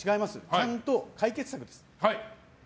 ちゃんと解決策です。